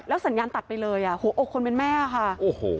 แล้วสัญญาณตัดไปเลยโรคคนเป็นแม่ค่ะโอ้โห